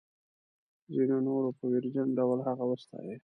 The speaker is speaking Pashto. ځینو نورو په ویرجن ډول هغه وستایه.